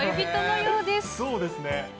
そうですね。